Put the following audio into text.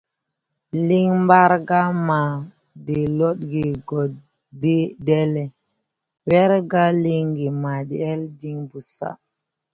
Liŋ Mbargā ma de lɔdgen gɔ deʼele, wɛrga lingi ma deʼel din bosaʼ.